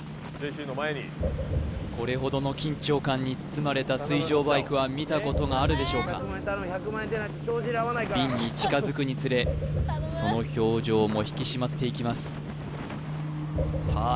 これほどの緊張感に包まれた水上バイクは見たことがあるでしょうか瓶に近づくにつれその表情も引き締まっていきますさあ